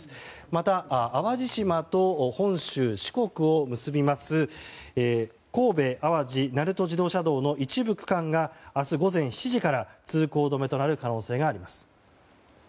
また、淡路島と本州・四国を結びます神戸淡路鳴門自動車道の一部区間が明日午前７時から通行止めとなる可能性があります。